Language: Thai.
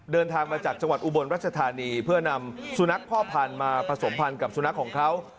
เดินทางมาจากจังหวัดอุบลรัชธานีเพื่อนำสุนัขพ่อพันธุ์มาผสมพันธ์กับสุนัขของเขา